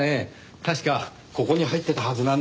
確かここに入ってたはずなんですが。